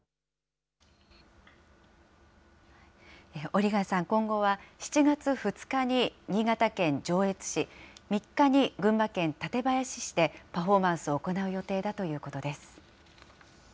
オリガさん、今後は７月２日に新潟県上越市、３日に群馬県館林市でパフォーマンスを行う予定だということです。